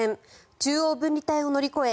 中央分離帯を乗り越え